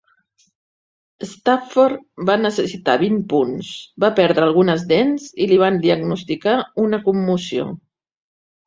Stafford va necessitar vint punts, va perdre algunes dents i li van diagnosticar una commoció.